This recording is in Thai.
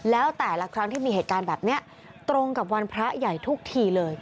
แล้วแต่ละครั้งที่มีเหตุการณ์แบบนี้ตรงกับวันพระใหญ่ทุกทีเลย